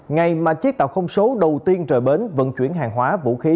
ngày mà chiếc tàu không số đầu tiên rời bến vận chuyển hàng hóa vũ khí